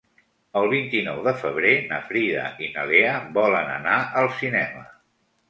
El vint-i-nou de febrer na Frida i na Lea volen anar al cinema.